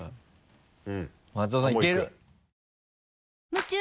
松尾さんいける？